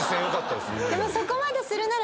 そこまでするなら。